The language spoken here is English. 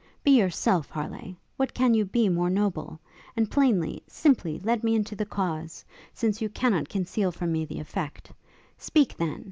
Be yourself, Harleigh! what can you be more noble? and plainly, simply let me into the cause, since you cannot conceal from me the effect. Speak, then!